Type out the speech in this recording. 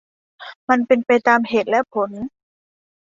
มันเป็นไปตามเหตุและผล